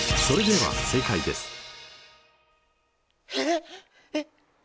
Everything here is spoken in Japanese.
それでは正解です。